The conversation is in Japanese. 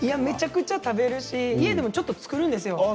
めちゃくちゃ食べるし家でもちょっと作るんですよ。